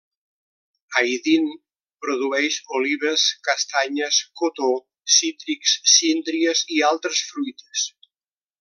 Aydın produeix olives, castanyes, cotó, cítrics, síndries i altres fruites.